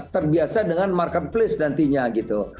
terbiasa dengan marketplace nantinya gitu